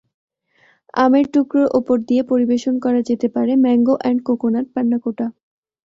আমের টুকরা ওপরে দিয়ে পরিবেশন করা যেতে পারে ম্যাঙ্গো অ্যান্ড কোকোনাট পান্নাকোটা।